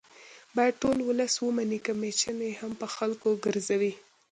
باید ټول ولس ومني که میچنې هم په خلکو ګرځوي